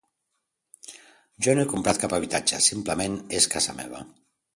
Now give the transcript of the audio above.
Jo no he comprat cap habitatge, simplement és casa meva.